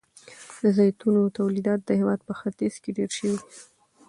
د زیتونو تولیدات د هیواد په ختیځ کې ډیر شوي دي.